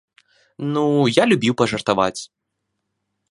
Ну, я любіў пажартаваць.